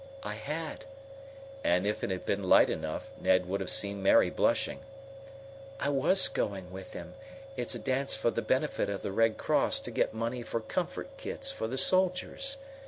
"I had." And if it had been light enough Ned would have seen Mary blushing. "I was going with him. It's a dance for the benefit of the Red Cross to get money for comfort kits for the soldiers.